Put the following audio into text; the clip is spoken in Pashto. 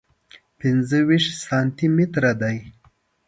پنځه ویشت سانتي متره دی.